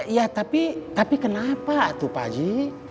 ya tapi kenapa tuh pak haji